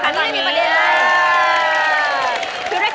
อันนี้มีประเด็นด้วย